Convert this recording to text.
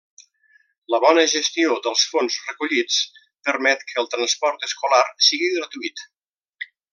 La bona gestió dels fons recollits permet que el transport escolar sigui gratuït.